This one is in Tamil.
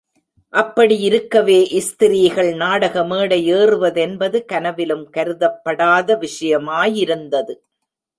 அப்படி யிருக்கவே, ஸ்திரீகள் நாடக மேடை ஏறுவதென்பது கனவிலும் கருதப்படாத விஷயமாயிருந்தது.